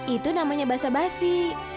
itu namanya basa basi